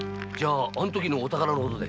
あんときのお宝のことで？